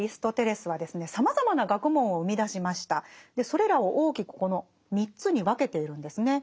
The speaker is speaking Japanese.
それらを大きくこの３つに分けているんですね。